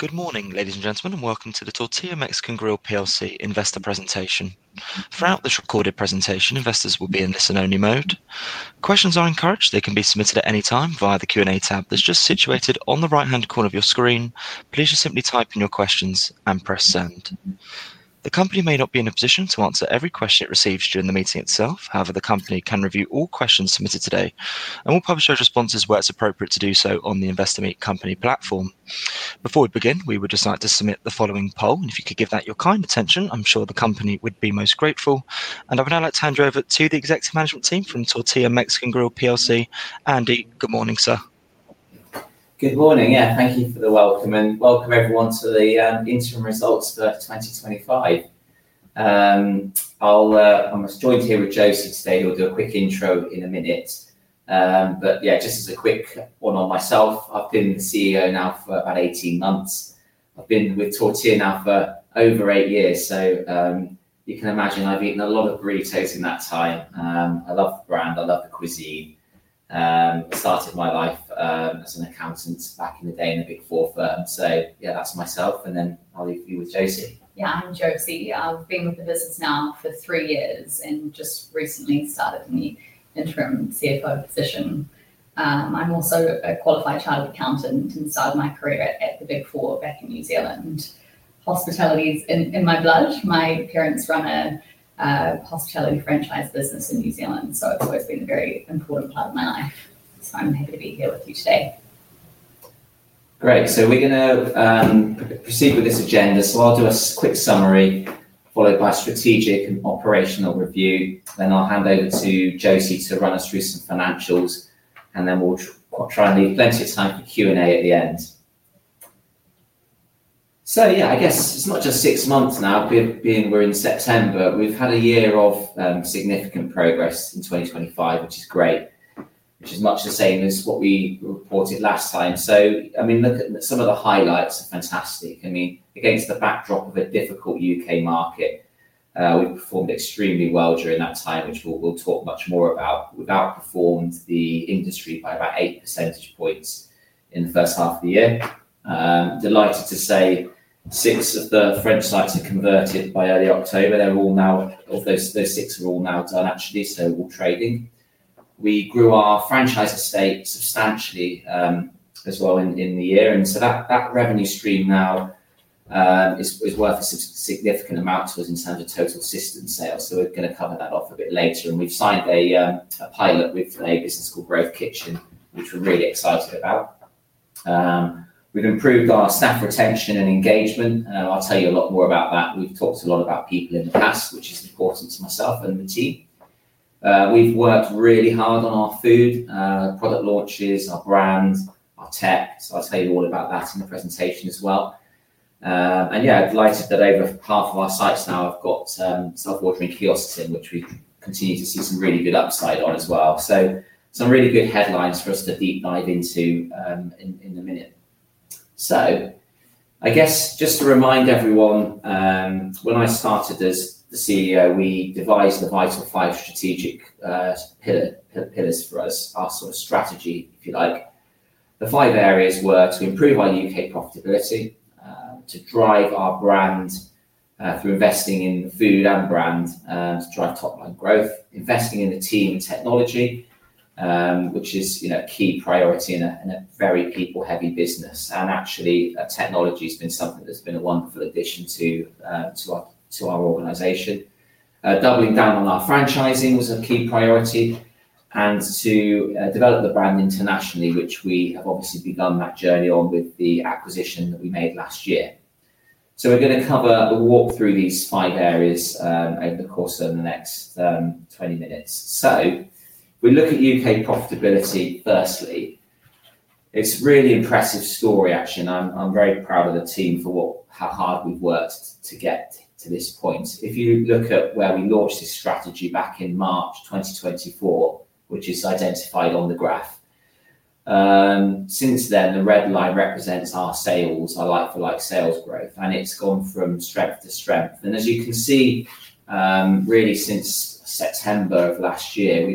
Good morning, ladies and gentlemen, and welcome to the Tortilla Mexican Grill PLC investor presentation. Throughout this recorded presentation, investors will be in listen-only mode. Questions are encouraged; they can be submitted at any time via the Q&A tab that's just situated on the right-hand corner of your screen. Please just simply type in your questions and press send. The company may not be in a position to answer every question it receives during the meeting itself. However, the company can review all questions submitted today and will publish those responses where it's appropriate to do so on the Investor Meet Company platform. Before we begin, we would just like to submit the following poll. If you could give that your kind attention, I'm sure the company would be most grateful. I would now like to hand you over to the executive management team from Tortilla Mexican Grill PLC. Andy, good morning, sir. Good morning. Thank you for the welcome and welcome everyone to the interim results for 2025. I'm joined here with Josie today who will do a quick intro in a minute. Just as a quick one on myself, I've been the CEO now for about 18 months. I've been with Tortilla now for over eight years, so you can imagine I've eaten a lot of burritos in that time. I love the brand, I love the cuisine. I started my life as an accountant back in the day in a Big Four firm. That's myself. I'll leave you with Josie. Yeah, I'm Josie. I've been with the business now for three years and just recently started a new Interim CFO position. I'm also a qualified chartered accountant and started my career at the Big Four back in New Zealand. Hospitality is in my blood. My parents run a hospitality franchise business in New Zealand, so it's always been a very important part of my life. I'm happy to be here with you today. Great. We're going to proceed with this agenda. I'll do a quick summary followed by a strategic and operational review. Then I'll hand over to Josie to run us through some financials, and we'll try and leave plenty of time for Q&A at the end. I guess it's not just six months now. We're in September. We've had a year of significant progress in 2025, which is great, which is much the same as what we reported last time. Some of the highlights are fantastic. Against the backdrop of a difficult U.K. market, we've performed extremely well during that time, which we'll talk much more about. We've outperformed the industry by about 8% in the first half of the year. I'm delighted to say six of the franchises converted by early October. They're all now, those six are all now done actually, so all trading. We grew our franchise estate substantially as well in the year, and that revenue stream now is worth a significant amount in terms of total assistant sales. We're going to cover that off a bit later. We've signed a pilot with Flavors that's called Grove Kitchen, which we're really excited about. We've improved our staff retention and engagement. I'll tell you a lot more about that. We've talked a lot about people in the past, which is important to myself and the team. We've worked really hard on our food, product launches, our brand, our tech. I'll tell you all about that in the presentation as well. I'm delighted that over half of our sites now have got self-ordering kiosks in, which we continue to see some really good upside on as well. Some really good headlines for us to deep dive into in a minute. Just to remind everyone, when I started as the CEO, we devised the Vital Five strategic pillars for us, our sort of strategy, if you like. The five areas were to improve our U.K. profitability, to drive our brand, for investing in food and brand, to drive top-line growth, investing in the team technology, which is a key priority in a very people-heavy business. Actually, technology has been something that's been a wonderful addition to our organization. Doubling down on our franchising was a key priority, and to develop the brand internationally, which we have obviously begun that journey on with the acquisition that we made last year. We're going to cover a walk through these five areas over the course of the next 20 minutes. We look at U.K. profitability firstly. It's a really impressive story, actually. I'm very proud of the team for how hard we've worked to get to this point. If you look at where we launched this strategy back in March 2024, which is identified on the graph, since then, the red line represents our sales, our like-for-like sales growth. It's gone from strength to strength. As you can see, really since September of last year,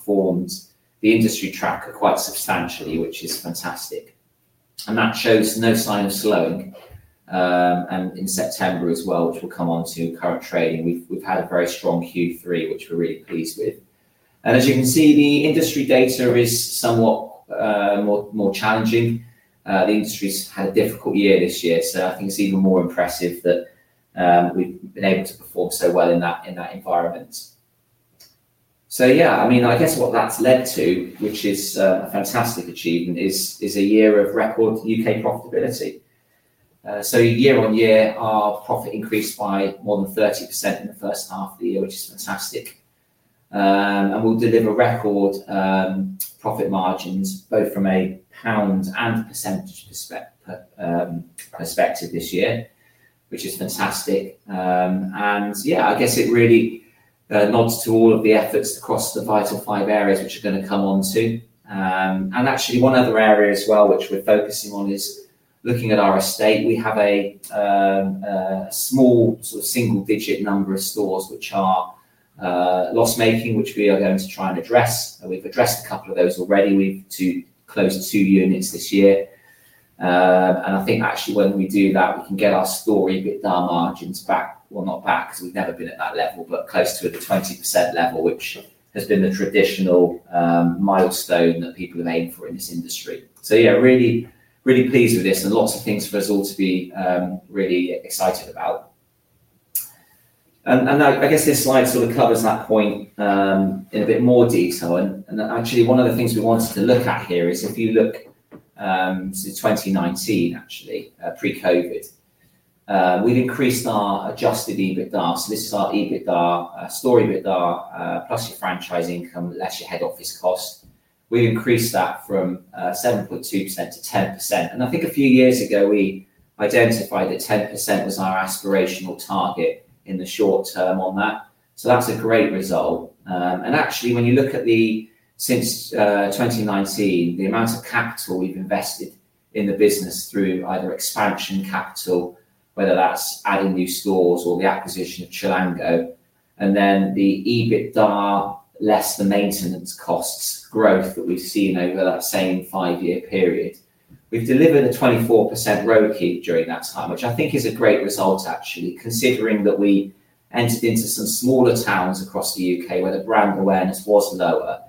we've outperformed the industry tracker quite substantially, which is fantastic. That shows no sign of slowing. In September as well, which we'll come on to in current trading, we've had a very strong Q3, which we're really pleased with. As you can see, the industry data is somewhat more challenging. The industry's had a difficult year this year. I think it's even more impressive that we've been able to perform so well in that environment. What that's led to, which is a fantastic achievement, is a year of record U.K. profitability. Year on year, our profit increased by more than 30% in the first half of the year, which is fantastic. We'll deliver record profit margins both from a pound and a percentage perspective this year, which is fantastic. It really nods to all of the efforts across the Vital Five areas, which we're going to come on to. One other area as well, which we're focusing on, is looking at our estate. We have a small sort of single-digit number of stores which are loss-making, which we are going to try and address. We've addressed a couple of those already. We need to close two units this year. I think actually when we do that, we can get our store EBITDA margins back. Not back, because we've never been at that level, but close to the 20% level, which has been the traditional milestone that people have aimed for in this industry. I'm really, really pleased with this. Lots of things for us all to be really excited about. This slide sort of covers that point in a bit more detail. One of the things we wanted to look at here is if you look to 2019, actually, pre-COVID, we've increased our adjusted EBITDA. This is our EBITDA story. EBITDA plus your franchise income, that's your head office cost. We've increased that from 7.2% to 10%. A few years ago, we identified 10% as our aspirational target in the short term on that. That's a great result. Actually, when you look at the since 2019, the amount of capital we've invested in the business through either expansion capital, whether that's adding new stores or the acquisition of Chilango, and then the EBITDA less the maintenance costs growth that we've seen over that same five-year period. We've delivered a 24% royalty during that time, which I think is a great result, actually, considering that we entered into some smaller towns across the U.K. where the brand awareness was lower.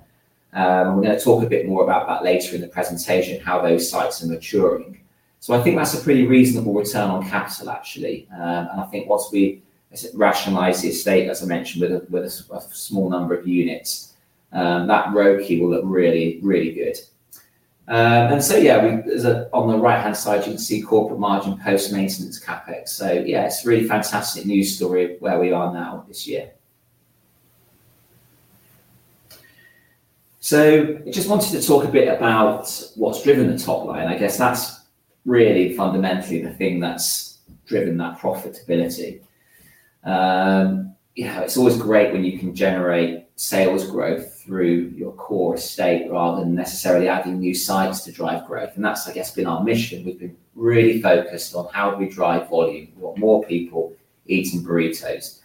We're going to talk a bit more about that later in the presentation, how those sites are maturing. I think that's a pretty reasonable return on capital, actually. I think once we rationalize the estate, as I mentioned, with a small number of units, that royalty will look really, really good. On the right-hand side, you can see corporate margin post-maintenance capex. It's a really fantastic news story of where we are now this year. I just wanted to talk a bit about what's driven the top line. I guess that's really fundamentally the thing that's driven that profitability. It's always great when you can generate sales growth through your core estate rather than necessarily adding new sites to drive growth. That's, I guess, been our mission. We've been really focused on how do we drive volume? We want more people eating burritos.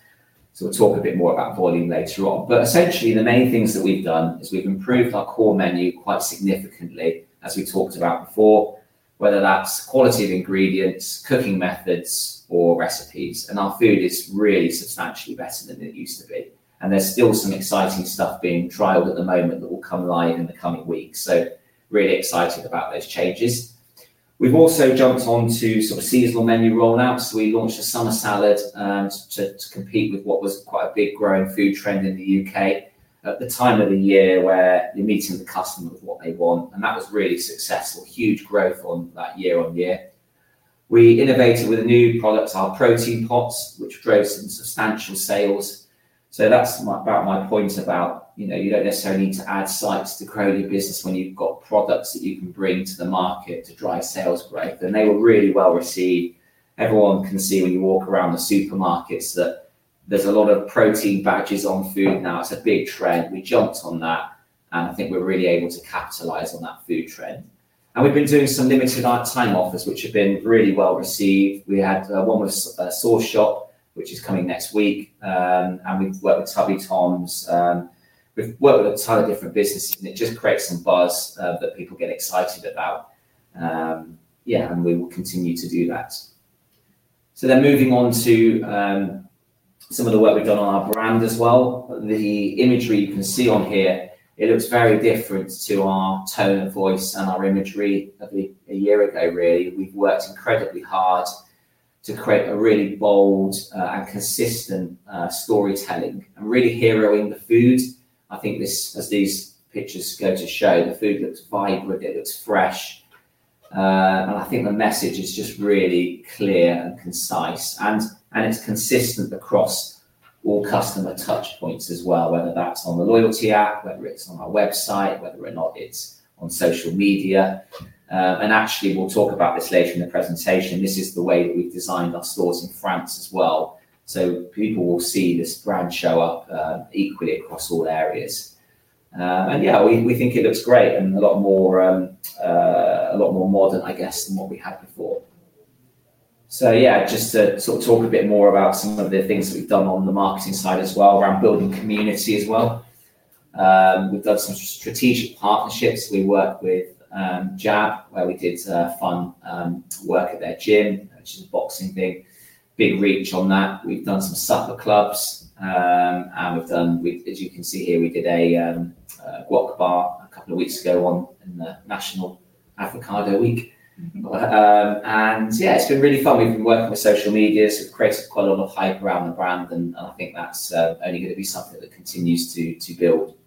We'll talk a bit more about volume later on. Essentially, the main things that we've done is we've improved our core menu quite significantly, as we talked about before, whether that's quality of ingredients, cooking methods, or recipes. Our food is really substantially better than it used to be. There's still some exciting stuff being trialed at the moment that will come live in the coming weeks. Really excited about those changes. We've also jumped on to sort of seasonal menu rollouts. We launched a summer salad to compete with what was quite a big growing food trend in the U.K. at the time of the year where the meeting of the customer is what they want. That was really successful. Huge growth on that year on year. We innovated with a new product, our protein pots, which drove some substantial sales. That's about my point about you know, you don't necessarily need to add sites to grow your business when you've got products that you can bring to the market to drive sales growth. They were really well received. Everyone can see when you walk around the supermarkets that there's a lot of protein badges on food now. It's a big trend. We jumped on that. I think we're really able to capitalize on that food trend. We've been doing some limited-lifetime offers, which have been really well received. We had one with a sauce shop, which is coming next week. We've worked with Tubby Tom's. We've worked with a ton of different businesses. It just creates some buzz that people get excited about. Yeah, we will continue to do that. Moving on to some of the work we've done on our brand as well. The imagery you can see on here looks very different to our tone of voice and our imagery a year ago, really. We've worked incredibly hard to create a really bold and consistent storytelling and really heroing the food. I think as these pictures go to show, the food looks vibrant. It looks fresh. I think the message is just really clear and concise and consistent across all customer touchpoints as well, whether that's on the loyalty app, whether it's on our website, whether or not it's on social media. Actually, we'll talk about this later in the presentation. This is the way that we've designed our stores in France as well. People will see this brand show up equally across all areas. Yeah, we think it looks great and a lot more, a lot more modern, I guess, than what we had before. Just to sort of talk a bit more about some of the things that we've done on the marketing side as well, around building community as well. We've done some strategic partnerships. We worked with Jab, where we did fun work at their gym, which is a boxing thing. Big reach on that. We've done some supper clubs. As you can see here, we did a guac bar a couple of weeks ago in the National Avocado Week. Yeah, it's been really fun. We've been working with social media. We've created quite a lot of hype around the brand. I think that's only going to be something that continues to build.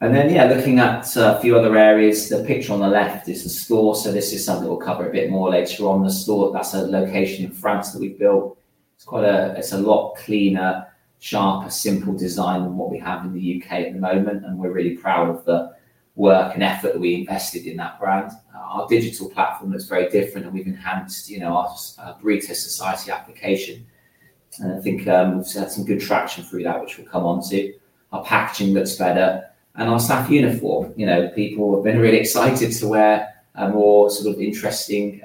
Looking at a few other areas, the picture on the left is the store. This is something that we'll cover a bit more later on. The store, that's a location in France that we built. It's a lot cleaner, sharper, simpler design than what we have in the U.K. at the moment. We're really proud of the work and effort that we invested in that brand. Our digital platform looks very different. We've enhanced our burrito society application. I think we've had some good traction through that, which we'll come on to. Our packaging looks better, and our staff uniform. People have been really excited to wear a more sort of interesting,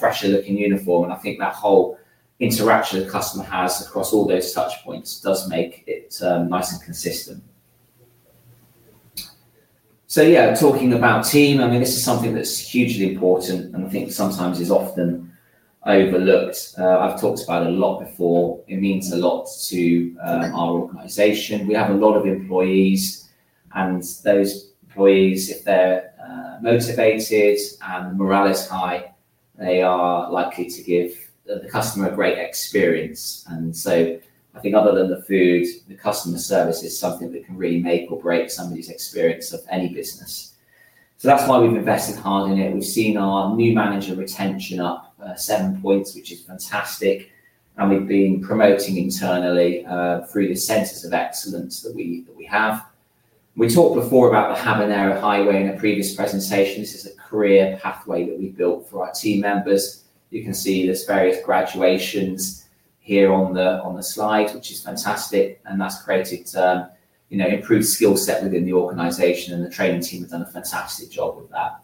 fresher-looking uniform. I think that whole interaction a customer has across all those touchpoints does make it nice and consistent. Talking about our team, this is something that's hugely important. I think sometimes it is often overlooked. I've talked about it a lot before. It means a lot to our organization. We have a lot of employees, and those employees, if they're motivated and morale is high, are likely to give the customer a great experience. Other than the food, the customer service is something that can really make or break somebody's experience of any business. That's why we've invested hard in it. We've seen our new manager retention up 7 points, which is fantastic. We've been promoting internally through the centers of excellence that we have. We talked before about the Habanero Highway in a previous presentation. This is a career pathway that we've built for our team members. You can see there's various graduations here on the slide, which is fantastic. That's created an improved skill set within the organization, and the training team has done a fantastic job with that.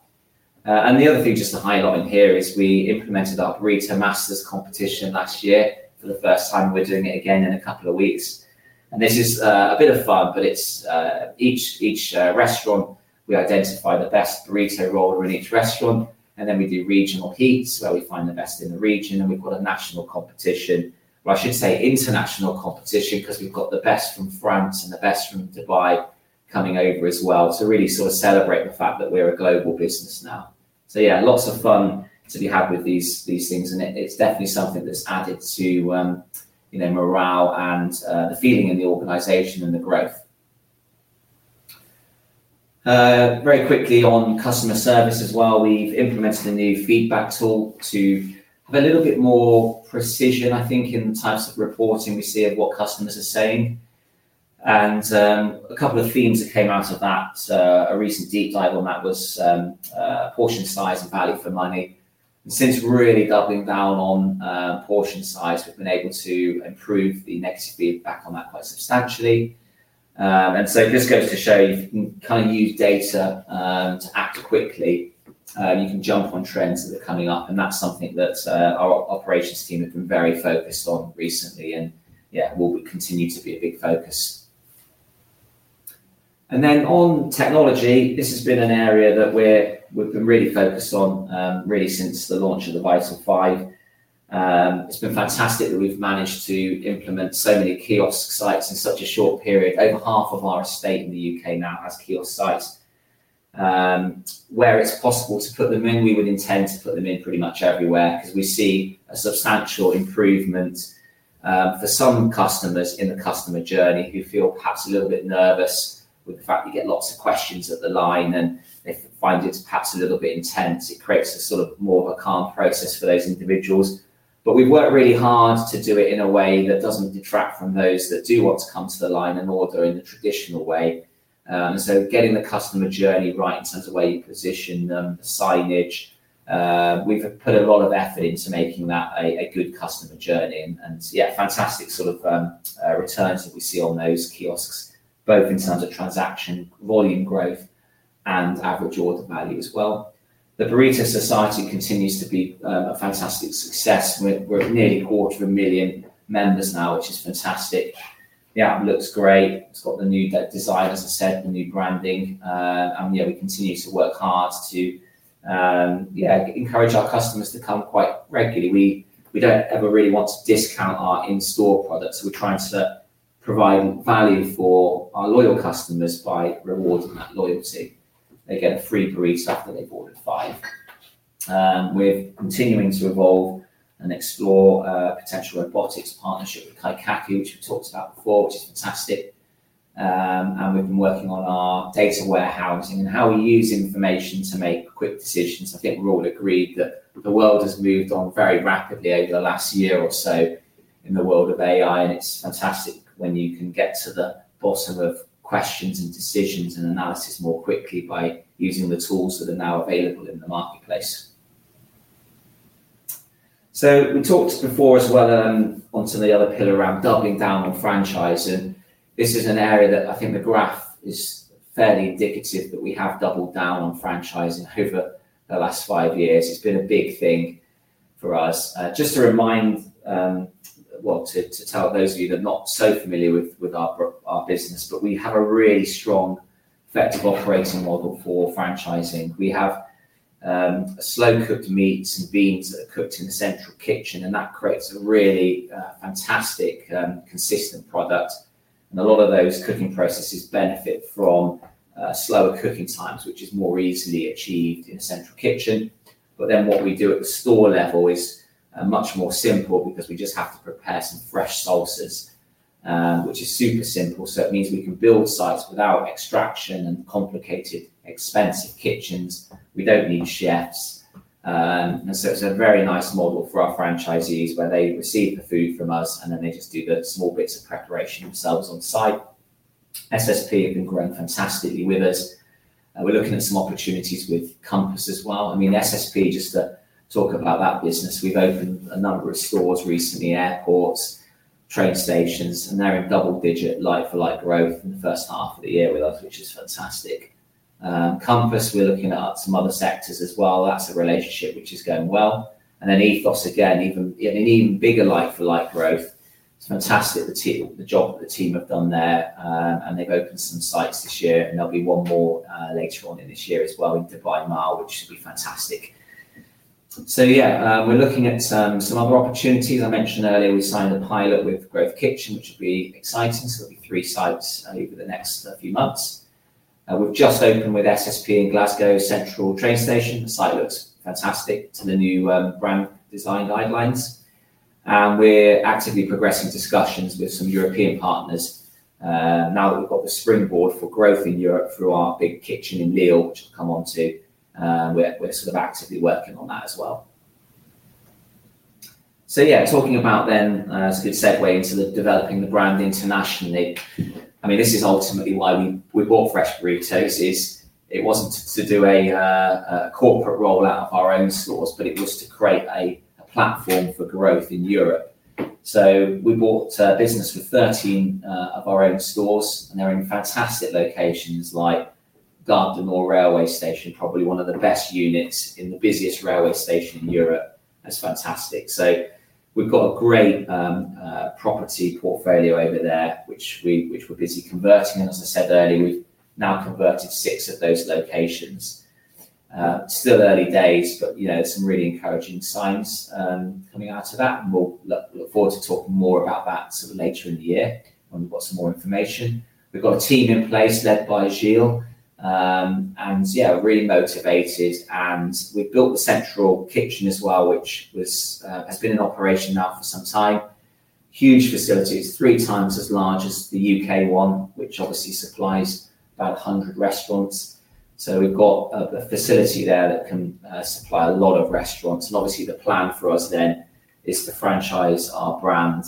The other thing just to highlight in here is we implemented our burrito master's competition last year for the first time. We're doing it again in a couple of weeks. This is a bit of fun, but it's each restaurant. We identify the best burrito roller in each restaurant, and then we do regional heats where we find the best in the region. We've got a national competition, or I should say international competition, because we've got the best from France and the best from Dubai coming over as well to really celebrate the fact that we're a global business now. Lots of fun to be had with these things, and it's definitely something that's added to morale and the feeling in the organization and the growth. Very quickly on customer service as well, we've implemented a new feedback tool to have a little bit more precision, I think, in types of reporting to see what customers are saying. A couple of themes that came out of that, a reasonably deep dive on that, was portion size and value for money. Since really doubling down on portion size, we've been able to improve the negative feedback on that quite substantially. This goes to show you can use data to act quickly. You can jump on trends that are coming up. That's something that our operations team has been very focused on recently and will continue to be a big focus. On technology, this has been an area that we've been really focused on since the launch of the Vital Five. It's been fantastic that we've managed to implement so many self-ordering kiosks in such a short period. Over half of our estate in the U.K. now has kiosk sites where it's possible to put them in. We would intend to put them in pretty much everywhere because we see a substantial improvement for some customers in the customer journey who feel perhaps a little bit nervous with the fact you get lots of questions at the line. If you find it's perhaps a little bit intense, it creates more of a calm process for those individuals. We've worked really hard to do it in a way that doesn't detract from those that do want to come to the line and order in the traditional way. Getting the customer journey right in terms of where you position them and signage, we've put a lot of effort into making that a good customer journey. Fantastic returns that we see on those kiosks, both in terms of transaction volume growth and average order value as well. The burrito society continues to be a fantastic success. We're at nearly a quarter of a million members now, which is fantastic. It looks great. It's got the new design, as I said, the new branding. We continue to work hard to encourage our customers to come quite regularly. We don't ever really want to discount our in-store products. We're trying to provide value for our loyal customers by rewarding loyalty. They get a free burrito after they've ordered five. We're continuing to evolve and explore a potential robotics partnership with Kaikaki, which we talked about before, which is fantastic. We've been working on our data warehousing and how we use information to make quick decisions. I think we've all agreed that the world has moved on very rapidly over the last year or so in the world of AI. It's fantastic when you can get to the bottom of questions and decisions and analysis more quickly by using the tools that are now available in the marketplace. We talked before as well, and then onto the other pillar around doubling down on franchising. This is an area that I think the graph is fairly indicative that we have doubled down on franchising over the last five years. It's been a big thing for us. Just to remind, to tell those of you that are not so familiar with our business, we have a really strong effective operating model for franchising. We have slow-cooked meats and beans that are cooked in the central kitchen, and that creates a really fantastic, consistent product. A lot of those cooking processes benefit from slower cooking times, which is more easily achieved in the central kitchen. What we do at the store level is much more simple because we just have to prepare some fresh sauces, which is super simple. It means we can build sites without extraction and complicated, expensive kitchens. We don't need chefs. It's a very nice model for our franchisees where they receive the food from us, and then they just do the small bits of preparation themselves on site. SSP has been growing fantastically with us. We're looking at some opportunities with Compass as well. SSP, just to talk about that business, we've opened a number of stores recently, airports, train stations, and they're in double-digit like-for-like growth in the first half of the year with us, which is fantastic. Compass, we're looking at some other sectors as well. That's a relationship which is going well. E-Floss, again, even in even bigger like-for-like growth. It's fantastic the job the team have done there. They've opened some sites this year, and there will be one more later on in this year as well in Dubai Mall, which should be fantastic. We're looking at some other opportunities. I mentioned earlier, we signed a pilot with Grove Kitchen, which will be exciting. There will be three sites, I think, for the next few months. We've just opened with SSP in Glasgow Central Train Station. The site looks fantastic to the new brand design guidelines. We're actively progressing discussions with some European partners now that we've got the springboard for growth in Europe through our big kitchen in Lille, which we'll come on to. We're actively working on that as well. Talking about then, as we've said, way into developing the brand internationally. This is ultimately why we bought Fresh Burritos. It wasn't to do a corporate rollout of our own stores, but it was to create a platform for growth in Europe. We bought a business with 13 of our own stores, and they're in fantastic locations like garden or railway station, probably one of the best units in the busiest railway station in Europe. That's fantastic. We've got a great property portfolio over there, which we're busy converting. As I said earlier, we've now converted six of those locations. Still early days, but some really encouraging signs coming out of that. We'll look forward to talking more about that later in the year when we've got some more information. We've got a team in place led by Gill. We're really motivated. We've built the central kitchen as well, which has been in operation now for some time. Huge facilities, three times as large as the U.K. one, which obviously supplies about 100 restaurants. We've got a facility there that can supply a lot of restaurants. The plan for us then is to franchise our brand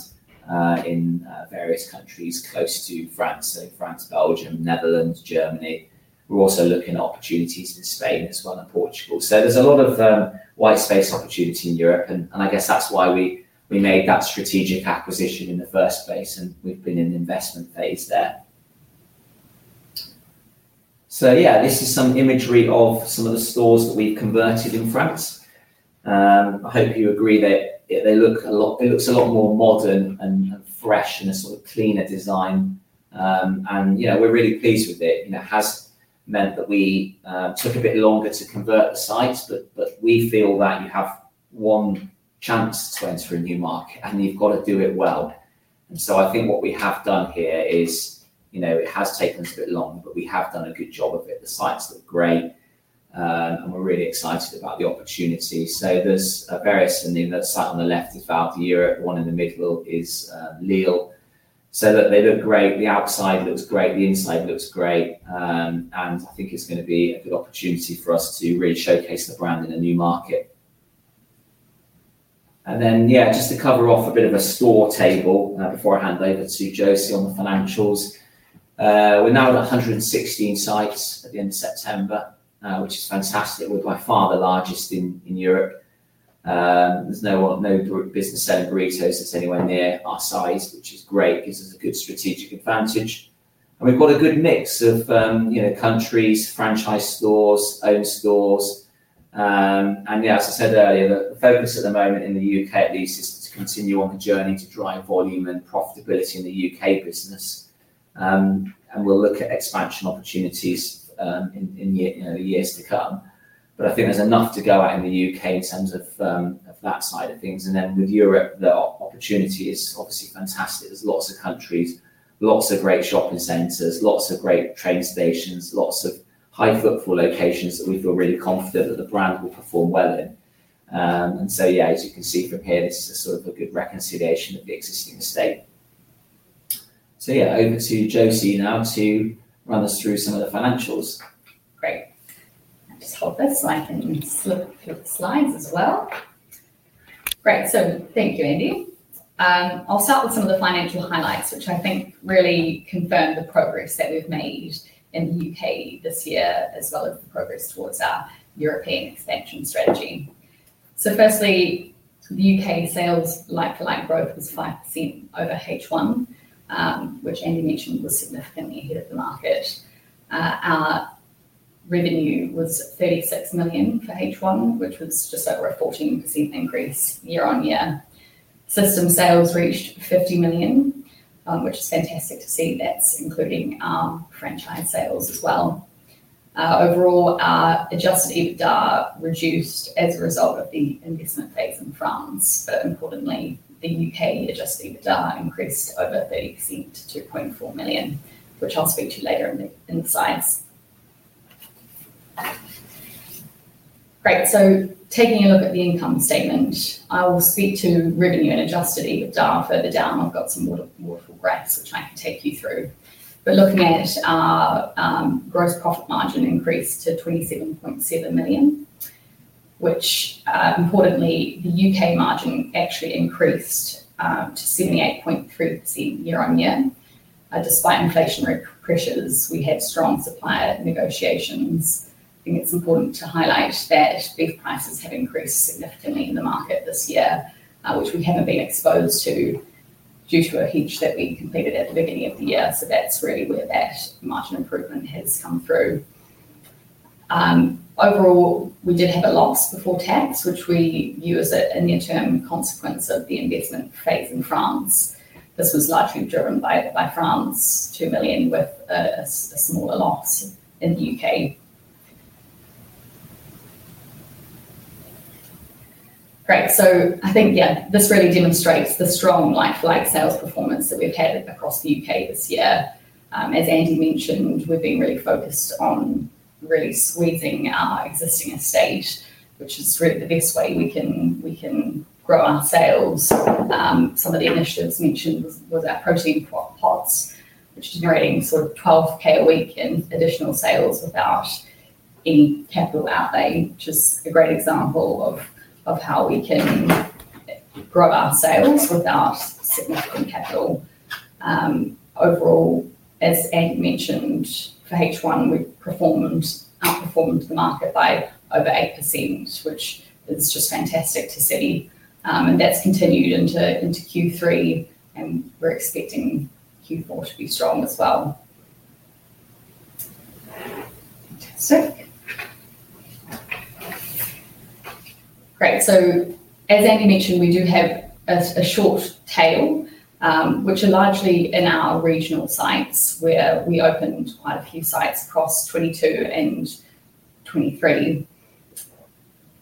in various countries close to France: France, Belgium, Netherlands, Germany. We're also looking at opportunities in Spain as well and Portugal. There's a lot of white space opportunity in Europe. I guess that's why we made that strategic acquisition in the first place. We've been in an investment phase there. This is some imagery of some of the stores that we've converted in France. I hope you agree that it looks a lot more modern and fresh and a sort of cleaner design. We're really pleased with it. It has meant that we took a bit longer to convert the sites, but we feel that you have one chance to enter a new market, and you've got to do it well. I think what we have done here is, it has taken us a bit long, but we have done a good job of it. The sites look great. We're really excited about the opportunities. That's that on the left is about the Europe. One in the middle is Lille. They look great. The outside looks great. The inside looks great. I think it's going to be a good opportunity for us to really showcase the brand in a new market. Just to cover off a bit of a store table, now before I hand over to Josie on the financials, we're now at 116 sites at the end of September, which is fantastic. We're by far the largest in Europe. There's no business-owned burritos that's anywhere near our site, which is great. It gives us a good strategic advantage. We've got a good mix of, you know, countries, franchise stores, owned stores. As I said earlier, the focus at the moment in the U.K. at least is to continue on the journey to drive volume and profitability in the U.K. business. We'll look at expansion opportunities in the years to come. I think there's enough to go at in the U.K. in terms of that side of things. With Europe, the opportunity is obviously fantastic. There's lots of countries, lots of great shopping centers, lots of great train stations, lots of high-footfall locations that we feel really confident that the brand will perform well in. As you can see from here, this is a sort of a good reconciliation of the existing estate. Over to Josie now to run us through some of the financials. Let's flip the slides as well. Great. Thank you, Andy. I'll start with some of the financial highlights, which I think really confirm the progress that we've made in the U.K. this year, as well as the progress towards our European expansion strategy. Firstly, the U.K. sales like-for-like growth was 5% over H1, which Andy mentioned was significantly ahead of the market. Our revenue was 36 million for H1, which was just over a 14% increase year on year. System sales reached 50 million, which is fantastic to see. That's including our franchise sales as well. Overall, our adjusted EBITDA reduced as a result of the investment phase in France. Importantly, the U.K. adjusted EBITDA increased over 30% to 2.4 million, which I'll speak to later in the insights. Great. Taking a look at the income statement, I will speak to revenue and adjusted EBITDA further down. I've got some more graphs which I can take you through. We're looking at our gross profit margin increased to 27.7 million, which, importantly, the U.K. margin actually increased to 78.3% year on year. Despite inflationary pressures, we had strong supplier negotiations. I think it's important to highlight that these prices have increased significantly in the market this year, which we haven't been exposed to due to a hedge that we completed at the beginning of the year. That's really where that margin improvement has come through. Overall, we did have a loss before tax, which we view as a near-term consequence of the investment phase in France. This was largely driven by France, 2 million, with a smaller loss in the U.K. Great. I think this really demonstrates the strong like-for-like sales performance that we've had across the U.K. this year. As Andy mentioned, we've been really focused on really squeezing our existing estate, which is really the best way we can grow our sales. Some of the initiatives mentioned were our protein pots, which are generating sort of 12,000 a week in additional sales without any capital outlay, which is a great example of how we can grow our sales without significant capital. Overall, as Andy mentioned, for H1, we outperformed the market by over 8%, which is just fantastic to see. That's continued into Q3, and we're expecting Q4 to be strong as well. Great. As Andy mentioned, we do have a short tail, which are largely in our regional sites, where we opened quite a few sites across 2022 and 2023.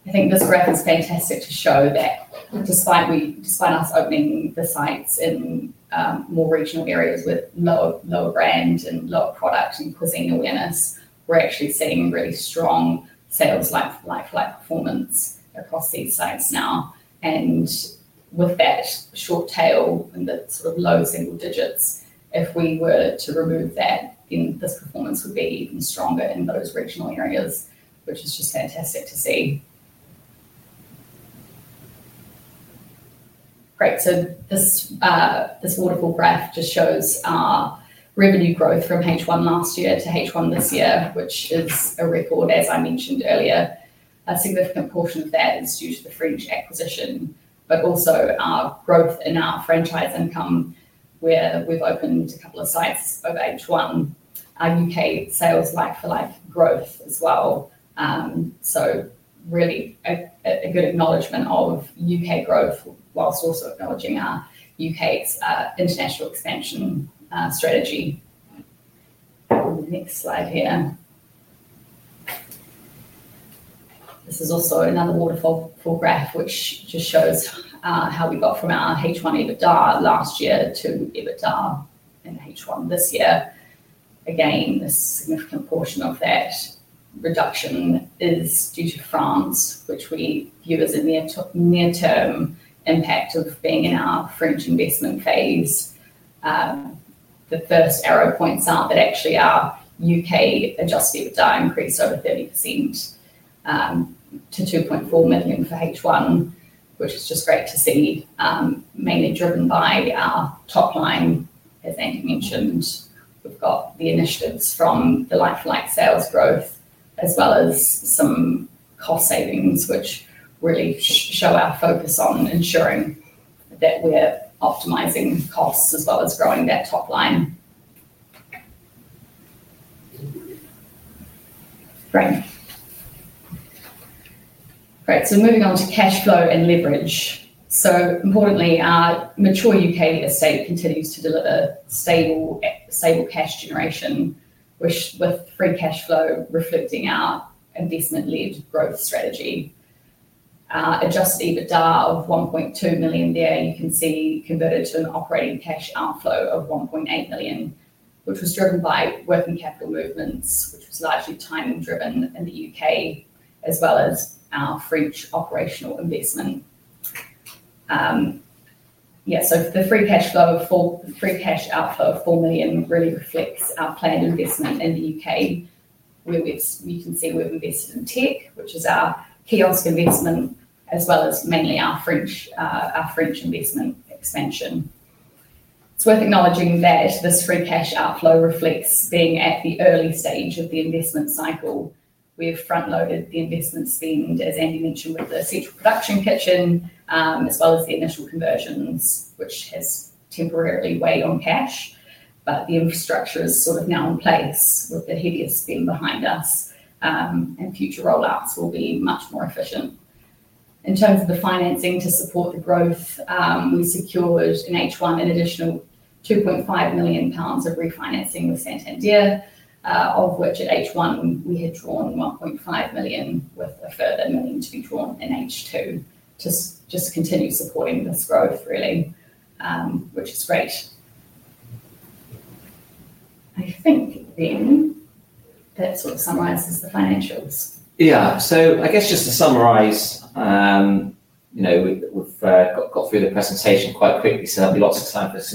I think this graph is fantastic to show that despite us opening the sites in more regional areas with lower brand and lower product and causing awareness, we're actually seeing really strong sales like-for-like performance across these sites now. With that short tail and the sort of low single digits, if we were to remove that, this performance would be even stronger in those regional areas, which is just fantastic to see. Great. This wonderful graph just shows our revenue growth from H1 last year to H1 this year, which is a record, as I mentioned earlier. A significant portion of that is due to the Fresh Burritos acquisition, but also our growth in our franchise income, where we've opened a couple of sites over H1, and U.K. sales like-for-like growth as well. Really a good acknowledgement of U.K. growth whilst also acknowledging our U.K.'s international expansion strategy. This is also another wonderful graph, which just shows how we got from our H1 EBITDA last year to EBITDA in H1 this year. Again, a significant portion of that reduction is due to France, which we view as a near-term impact of being in our Fresh Burritos investment phase. The first arrow points out that actually our U.K. adjusted EBITDA increased over 30% to 2.4 million for H1, which is just great to see, mainly driven by our top line, as Andy Naylor mentioned. We've got the initiatives from the like-for-like sales growth, as well as some cost savings, which really show our focus on ensuring that we're optimizing costs as well as growing that top line. Great. Moving on to cash flow and leverage. Importantly, our mature U.K. estate continues to deliver stable cash generation, with free cash flow reflecting our investment-led growth strategy. Our adjusted EBITDA of 1.2 million there, you can see, converted to an operating cash outflow of 1.8 million, which was driven by working capital movements, which was largely time-driven in the U.K., as well as our Fresh Burritos operational investment. Yeah. The free cash flow of four, free cash outflow of 4 million really reflects our planned investment in the U.K., where we can see we've invested in tech, which is our self-ordering kiosks investment, as well as mainly our Fresh Burritos investment expansion. It's worth acknowledging that this free cash outflow reflects being at the early stage of the investment cycle. We've front-loaded the investment spend, as Andy mentioned, with the central production kitchen, as well as the initial conversions, which has temporarily weighed on cash. The infrastructure is sort of now in place with the heaviest spend behind us, and future rollouts will be much more efficient. In terms of the financing to support the growth, we secured in H1 an additional 2.5 million pounds of refinancing of Santander, of which at H1 we had drawn 1.5 million, further money to be drawn in H2 to just continue supporting this growth, really, which is great. I think that sort of summarizes the financials. Yeah. I guess just to summarize, we've got through the presentation quite quickly. There'll be lots of slides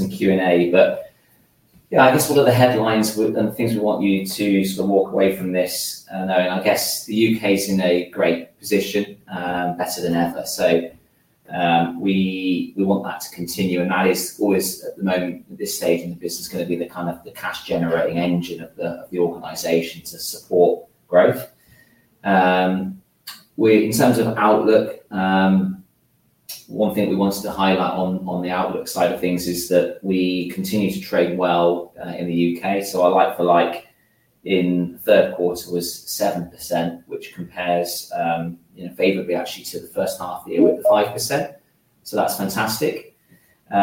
and Q&A. One of the headlines and the things we want you to walk away from this knowing, the U.K. is in a great position, better than ever. We want that to continue. That is always, at the moment, at this stage in the business, going to be the cash-generating engine of the organization to support growth. In terms of outlook, one thing we wanted to highlight on the outlook side of things is that we continue to trade well in the U.K. Our like-for-like in the third quarter was 7%, which compares favorably, actually, to the first half of the year with 5%. That's fantastic. We've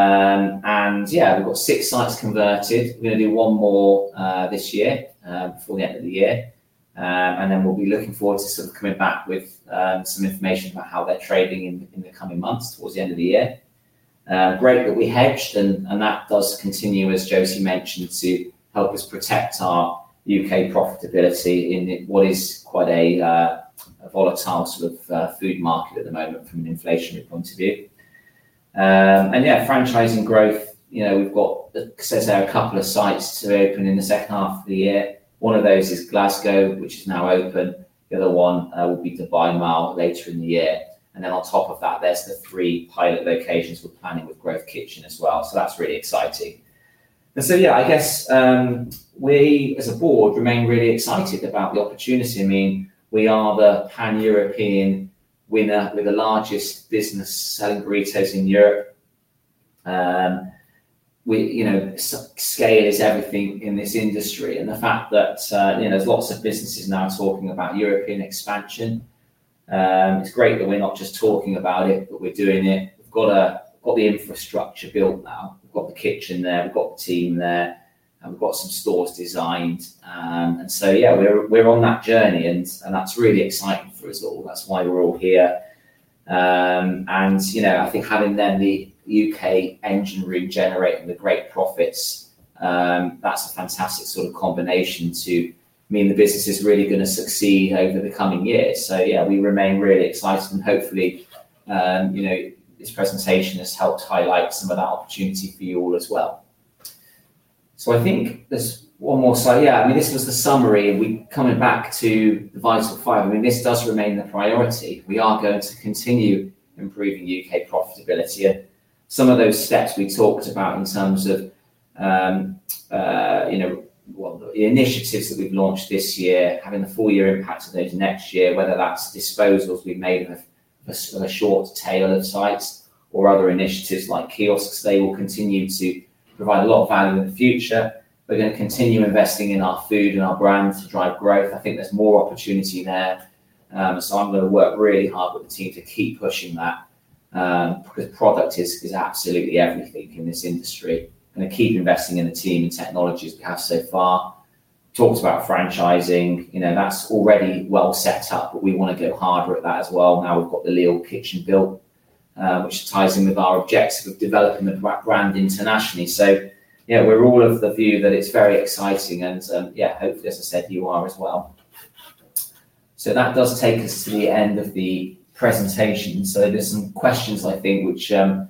got six sites converted. We're going to do one more this year before the end of the year. We'll be looking forward to coming back with some information on how we're trading in the coming months towards the end of the year. We hedged, and that was continuing, as Josie mentioned, to help us protect our U.K. profitability in what is quite a volatile food market at the moment from an inflationary point of view. Franchising growth, we've got, as I said, a couple of sites to open in the second half of the year. One of those is Glasgow, which is now open. The other one will be Dubai Mall later in the year. On top of that, there's the three pilot locations we're planning with Grove Kitchen as well. That's really exciting. We as a board remain really excited about the opportunity. We are the pan-European winner with the largest business selling burritos in Europe. Scale is everything in this industry. The fact that there's lots of businesses now talking about European expansion, it's great that we're not just talking about it, but we're doing it. We've got the infrastructure built now. We've got the kitchen there. We've got the team there. We've got some stores designed. We're on that journey. That's really exciting for us all. That's why we're all here. I think having then the U.K. engine regenerating the great profits, that's a fantastic combination. The business is really going to succeed over the coming years. We remain really excited. Hopefully, this presentation has helped highlight some of that opportunity for you all as well. I think there's one more slide. Yeah, this is the summary. We're coming back to the Vital Five. This does remain the priority. We are going to continue improving U.K. profitability. Some of those steps we talked about in terms of the initiatives that we've launched this year, having the full year of those next year, whether that's disposals we've made of a short tail of sites or other initiatives like kiosks, will continue to provide a lot of value in the future. We're going to continue investing in our food and our brand to drive growth. I think there's more opportunity there. I'm going to work really hard with the team to keep pushing that because product is absolutely everything in this industry. I keep investing in the team and technologies we have so far. Talked about franchising. That's already well set up, but we want to get harder at that as well. Now we've got the Lille kitchen built, which ties in with our objective of developing the brand internationally. We're all of the view that it's very exciting. Hopefully, as I said, you are as well. That does take us to the end of the presentation. There are some questions, I think, which have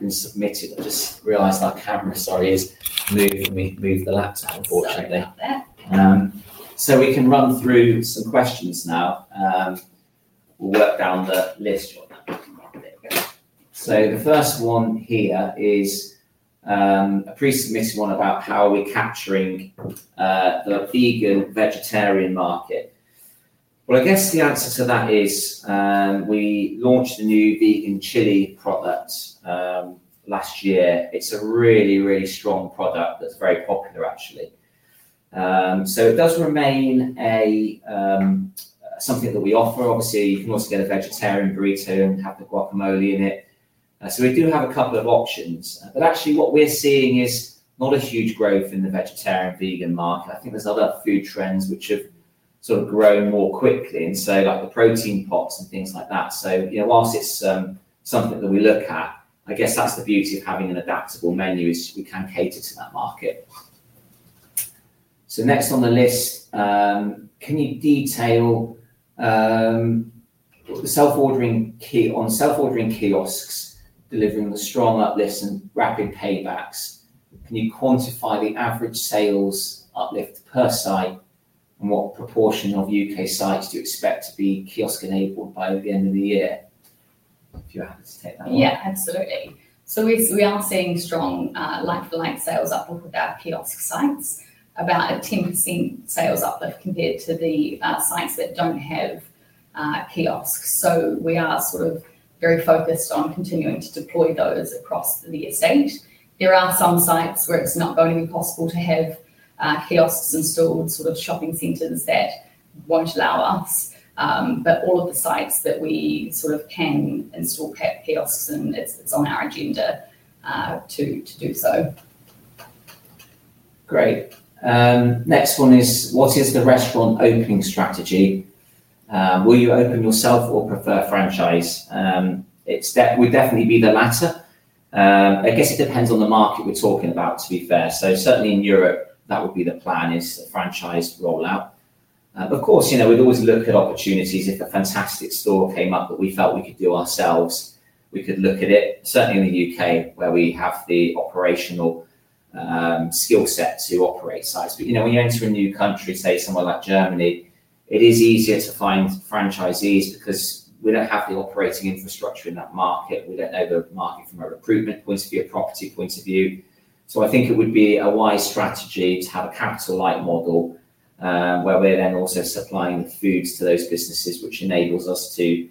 been submitted. I just realized our camera, sorry, is moving me to move the laptop, unfortunately. We can run through some questions now. We'll work down the list shortly. The first one here is a pre-submitted one about how are we capturing the vegan vegetarian market. The answer to that is we launched the new vegan chili product last year. It's a really, really strong product that's very popular, actually. It does remain something that we offer. Obviously, you can also get a vegetarian burrito and have guacamole in it. We do have a couple of options. Actually, what we're seeing is not a huge growth in the vegetarian vegan market. I think there are other food trends which have sort of grown more quickly, like the protein pots and things like that. Whilst it's something that we look at, I guess that's the beauty of having an adaptable menu, as we can cater to that market. Next on the list, can you detail self-ordering on self-ordering kiosks delivering a strong uplift and rapid paybacks? Can you quantify the average sales uplift per site and what proportion of U.K. sites do you expect to be kiosk-enabled by the end of the year? Yeah, absolutely. We are seeing strong like-for-like sales up of our kiosk sites, about a 10% sales uplift compared to the sites that don't have kiosks. We are very focused on continuing to deploy those across the nearest stage. There are some sites where it's not going to be possible to have kiosks installed, shopping centers that won't allow us. All of the sites that we can install kiosks, it's on our agenda to do so. Great. Next one is, what is the restaurant opening strategy? Will you open yourself or prefer franchise? It would definitely be the latter. I guess it depends on the market we're talking about, to be fair. Certainly in Europe, that would be the plan is a franchise rollout. Of course, we'd always look at opportunities if a fantastic store came up that we felt we could do ourselves. We could look at it, certainly in the U.K., where we have the operational skill set to operate sites. When you enter a new country, say somewhere like Germany, it is easier to find franchisees because we don't have the operating infrastructure in that market. We don't know the market from a recruitment point of view, a property point of view. I think it would be a wise strategy to have a capital-light model where we're then also supplying foods to those businesses, which enables us to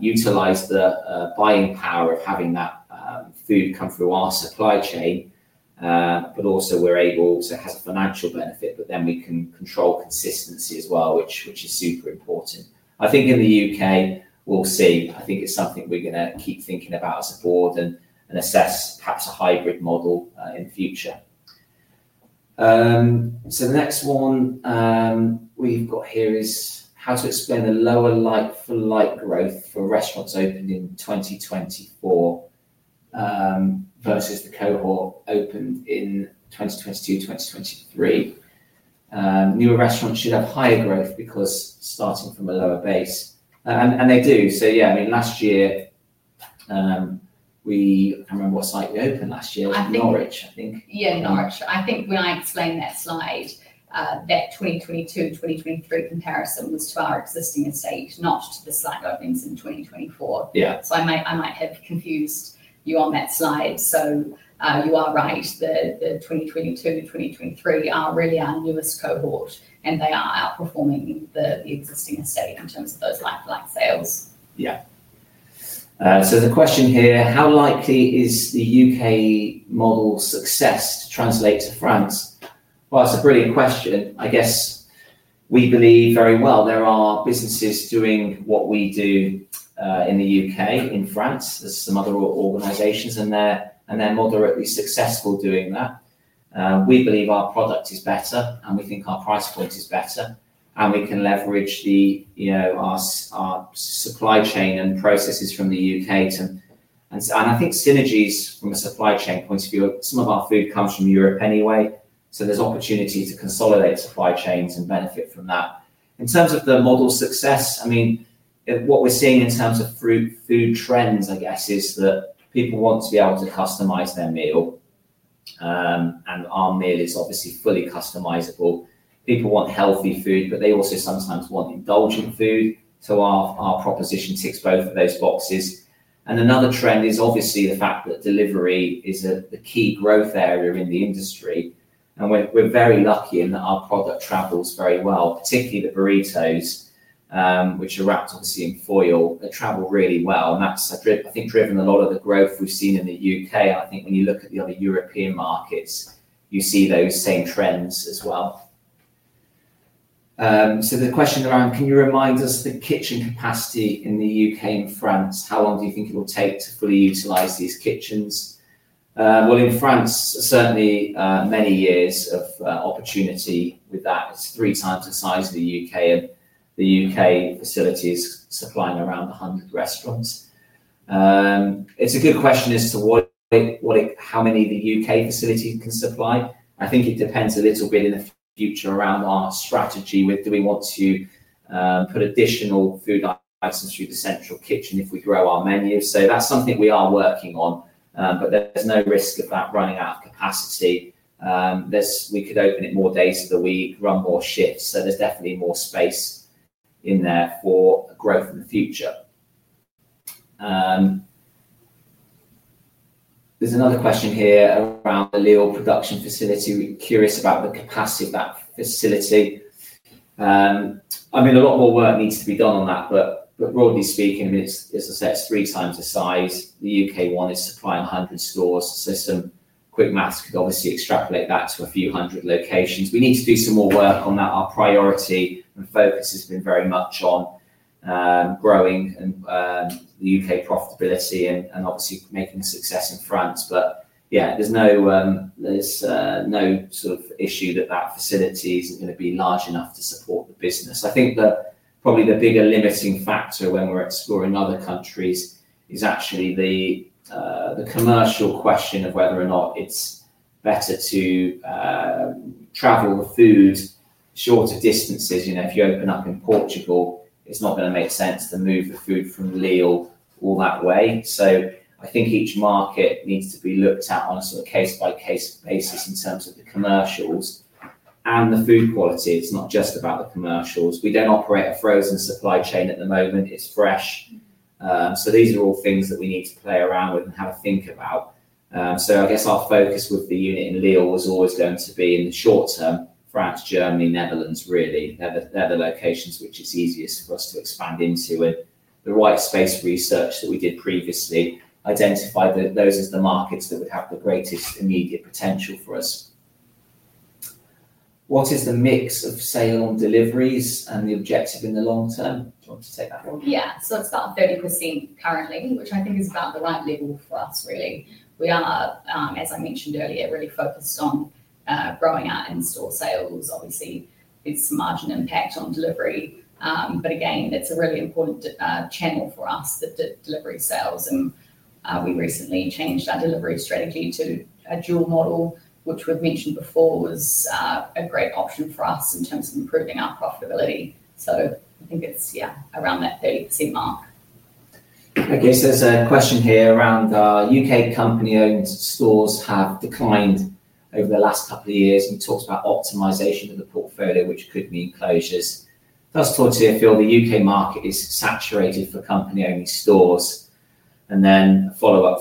utilize the buying power of having that food come through our supply chain. Also, we're able to have a financial benefit, but then we can control consistency as well, which is super important. I think in the U.K., we'll see. I think it's something we're going to keep thinking about as a board and assess perhaps a hybrid model in the future. The next one we've got here is how to explain the lower like-for-like growth for restaurants opened in 2024 versus the cohort opened in 2022-2023. New restaurants should have higher growth because starting from a lower base. And they do. Last year, I can't remember what site we opened last year. We had Norwich, I think. Yeah, Norwich. I think when I explained that slide, that 2022-2023 comparisons to our existing estate, not to the site openings in 2024. I might have confused you on that slide. You are right. The 2022-2023 are really our newest cohort, and they are outperforming the existing estate in terms of those like-for-like sales. Yeah. There's a question here. How likely is the U.K. model success to translate to France? That's a brilliant question. I guess we believe very well there are businesses doing what we do in the U.K., in France, as some other organizations, and they're moderately successful doing that. We believe our product is better, and we think our price point is better. We can leverage our supply chain and processes from the U.K. too. I think synergies from a supply chain point of view, some of our food comes from Europe anyway. There's opportunities to consolidate supply chains and benefit from that. In terms of the model success, what we're seeing in terms of food trends, I guess, is that people want to be able to customize their meal. Our meal is obviously fully customizable. People want healthy food, but they also sometimes want indulgent food. Our proposition ticks both of those boxes. Another trend is obviously the fact that delivery is a key growth area in the industry. We're very lucky in that our product travels very well, particularly the burritos, which are wrapped obviously in foil. They travel really well. That's I think driven a lot of the growth we've seen in the U.K. I think when you look at the other European markets, you see those same trends as well. The question around, can you remind us the kitchen capacity in the U.K. and France? How long do you think it will take to fully utilize these kitchens? In France, certainly many years of opportunity with that. It's three times the size of the U.K. The U.K. facilities supply around 100 restaurants. It's a good question as to how many the U.K. facilities can supply. I think it depends a little bit in the future around our strategy. Do we want to put additional food items through the central kitchen if we grow our menus? That's something we are working on. There's no risk of that running out of capacity. We could open it more days of the week, run more shifts. There's definitely more space in there for growth in the future. There's another question here around the Lille production facility. We're curious about the capacity of that facility. A lot more work needs to be done on that. Broadly speaking, as I said, it's three times the size. The U.K. wanted to supply 100 stores. Some quick maths could obviously extrapolate that to a few hundred locations. We need to do some more work on that. Our priority and focus has been very much on growing the U.K. profitability and obviously making success in France. There's no sort of issue that that facility is going to be large enough to support the business. I think that probably the bigger limiting factor when we're exploring other countries is actually the commercial question of whether or not it's better to travel the food shorter distances. You know, if you open up in Portugal, it's not going to make sense to move the food from Lille all that way. I think each market needs to be looked at on a case-by-case basis in terms of the commercials and the food quality. It's not just about the commercials. We don't operate a frozen supply chain at the moment. It's fresh. These are all things that we need to play around with and have a think about. I guess our focus with the unit in Lille was always going to be in the short term for us, Germany, Netherlands, really. They're the locations which are easiest for us to expand into. The right space research that we did previously identified those as the markets that would have the greatest immediate potential for us. What is the mix of sale on deliveries and the objective in the long term? Do you want to take that? Yeah. It's about 30% currently, which I think is about the right level for us, really. We are, as I mentioned earlier, really focused on growing our in-store sales. Obviously, it's margin impact on delivery. It's a really important channel for us, the delivery sales. We recently changed our delivery strategy to a dual model, which we've mentioned before was a great option for us in terms of improving our profitability. I think it's around that 80% mark. Okay. So there's a question here around U.K. company-owned stores have declined over the last couple of years and talks about optimization of the portfolio, which could mean closures. Thus, for the U.K. market, is it saturated for company-owned stores? Then a follow-up,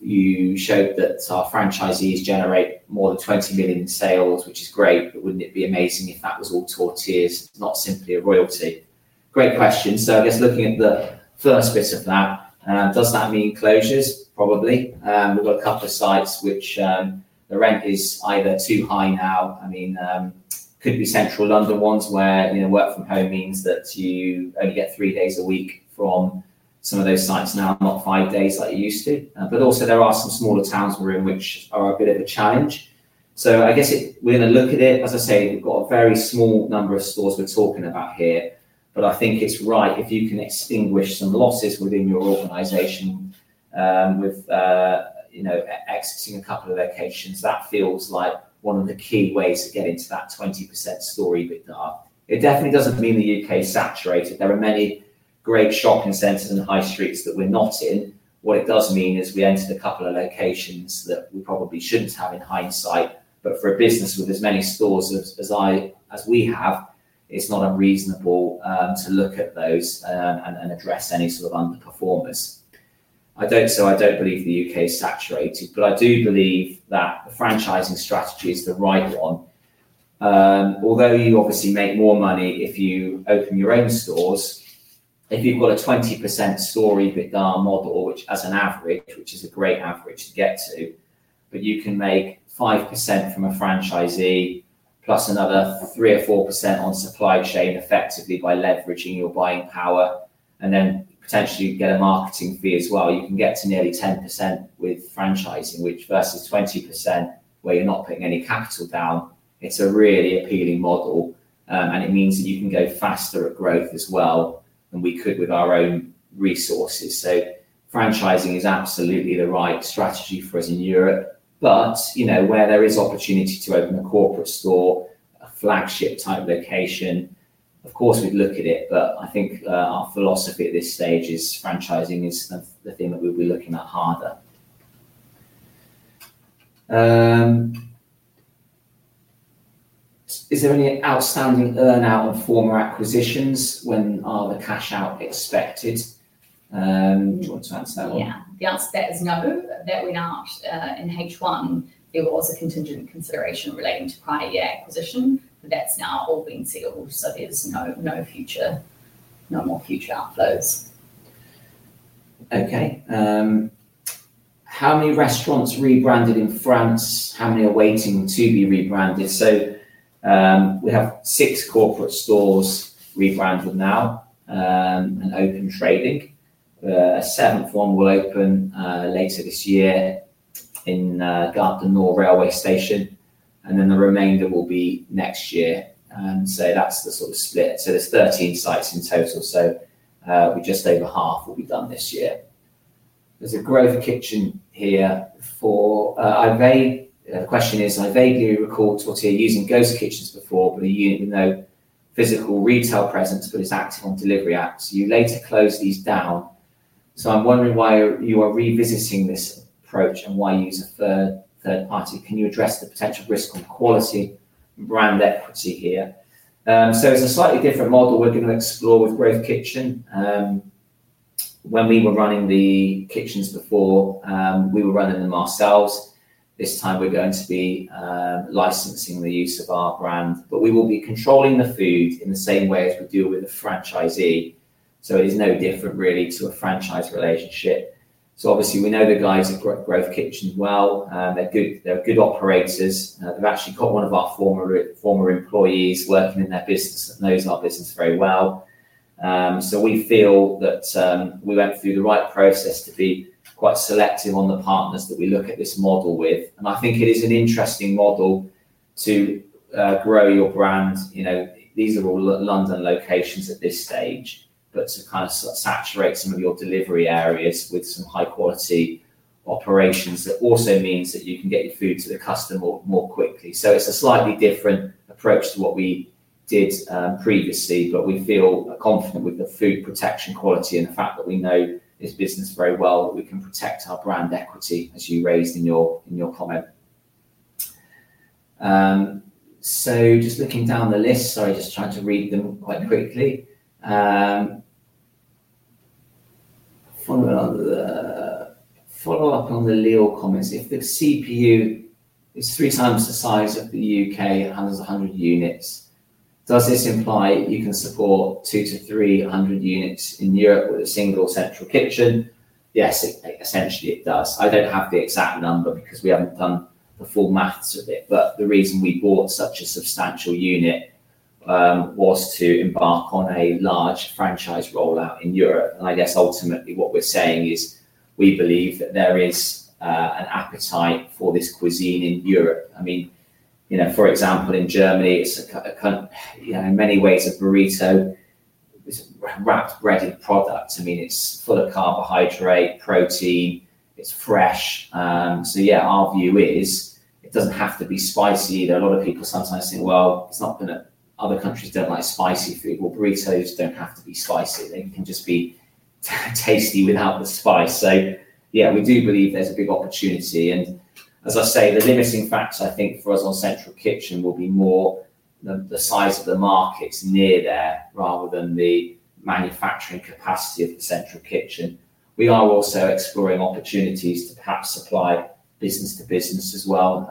you showed that our franchisees generate more than 20 million sales, which is great. Wouldn't it be amazing if that was all Tortilla, not simply a royalty? Great question. Looking at the first bit of that, does that mean closures? Probably. We've got a couple of sites where the rent is either too high now. It could be Central London ones where work from home means that you only get three days a week from some of those sites now, not five days like you used to. There are also some smaller towns in Rome, which are a bit of a challenge. We're going to look at it. We've got a very small number of stores we're talking about here. I think it's right if you can extinguish some losses within your organization with, you know, exiting a couple of locations. That feels like one of the key ways to get into that 20% story a bit dark. It definitely doesn't mean the U.K. is saturated. There are many great shopping centers and high streets that we're not in. What it does mean is we entered a couple of locations that we probably shouldn't have in hindsight. For a business with as many stores as we have, it's not unreasonable to look at those and address any sort of underperformance. I don't believe the U.K. is saturated, but I do believe that the franchising strategy is the right one. Although you obviously make more money if you open your own stores, if you've got a 20% story a bit down model, which as an average, which is a great average to get to, but you can make 5% from a franchisee plus another 3% or 4% on supply chain effectively by leveraging your buying power. Then potentially you'd get a marketing fee as well. You can get to nearly 10% with franchising, which versus 20% where you're not putting any capital down. It's a really appealing model. It means that you can go faster at growth as well than we could with our own resources. Franchising is absolutely the right strategy for us in Europe. Where there is opportunity to open a corporate store, a flagship type location, of course, we'd look at it. I think our philosophy at this stage is franchising is the thing that we'll be looking at harder. Is there any outstanding earnout on former acquisitions? When are the cash out expected? Do you want to answer that one? The answer to that is no. That we launched in H1. There was a contingent consideration relating to prior year acquisition, but that's now all been sealed. There's no more future outflows. Okay. How many restaurants rebranded in France? How many are waiting to be rebranded? We have six corporate stores rebranded now and open trading. A seventh one will open later this year in the Gare du Nord railway station. The remainder will be next year. That's the sort of split. There are 13 sites in total, so just over half will be done this year. There's a Grove Kitchen here for Ivey. The question is, Ivey, do you recall Tortilla using Grove Kitchens before, but you have no physical retail presence, but are active on delivery apps? You later closed these down. I'm wondering why you are revisiting this approach and why you use a third party. Can you address the potential risk of quality and brand equity here? It's a slightly different model we're going to explore with Grove Kitchen. When we were running the kitchens before, we were running them ourselves. This time, we're going to be licensing the use of our brand, but we will be controlling the food in the same way as we deal with the franchisee. It is no different, really, to a franchise relationship. We know the guys at Grove Kitchen well. They're good operators. They've actually got one of our former employees working in their business that knows our business very well. We feel that we went through the right process to be quite selective on the partners that we look at this model with. I think it is an interesting model to grow your brand. These are all London locations at this stage, to kind of saturate some of your delivery areas with some high-quality operations. It also means that you can get your food to the customer more quickly. It's a slightly different approach to what we did previously. We feel confident with the food protection quality and the fact that we know this business very well, that we can protect our brand equity, as you raised in your comment. Follow up on the Lille comments. If the CPU is three times the size of the U.K. and has 100 units, does this imply you can support 200-300 units in Europe with a single central kitchen? Yes, essentially it does. I don't have the exact number because we haven't done the full maths of it. The reason we bought such a substantial unit was to embark on a large franchise rollout in Europe. I guess ultimately what we're saying is we believe that there is an appetite for this cuisine in Europe. For example, in Germany, it's a, in many ways, a burrito. It's a wrapped breaded product. It's full of carbohydrate, protein. It's fresh. Our view is it doesn't have to be spicy. A lot of people sometimes think, well, other countries don't like spicy food. Burritos don't have to be spicy. They can just be tasty without the spice. We do believe there's a big opportunity. As I say, the limiting factor, I think, for us on central kitchen will be more the size of the markets near there rather than the manufacturing capacity of the central kitchen. We are also exploring opportunities to perhaps supply business to business as well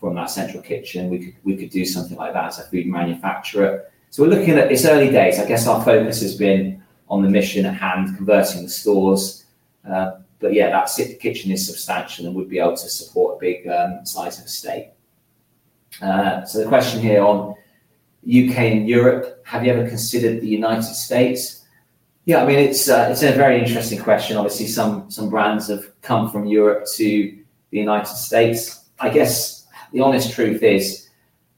from our central kitchen. We could do something like that as a food manufacturer. It's early days. I guess our focus has been on the mission at hand, converting the stores. If the kitchen is substantial, it would be able to support a big size of estate. The question here on the U.K. and Europe, have you ever considered the United States? It's a very interesting question. Obviously, some brands have come from Europe to the United States. I guess the honest truth is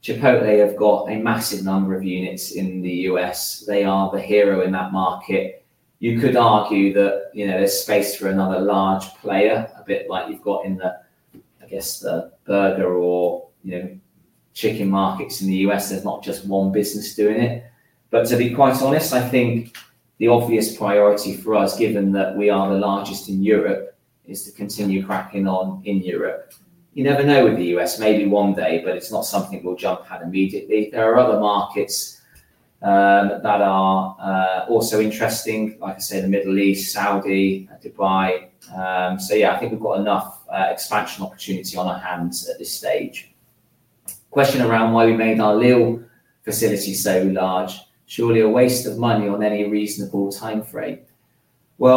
Chipotle have got a massive number of units in the U.S. They are the hero in that market. You could argue that there's space for another large player, a bit like you've got in the, I guess, the burger or chicken markets in the U.S. There's not just one business doing it. To be quite honest, I think the obvious priority for us, given that we are the largest in Europe, is to continue cracking on in Europe. You never know with the U.S. Maybe one day, but it's not something we'll jump at immediately. There are other markets that are also interesting, like I say, the Middle East, Saudi, Dubai. I think we've got enough expansion opportunity on our hands at this stage. Question around why we made our Lille facility so large. Surely a waste of money on any reasonable timeframe. We